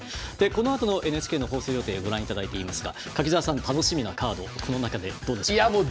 このあとのＮＨＫの放送予定をご覧いただいていますが柿澤さん、楽しみなカードこの中でどうでしょう？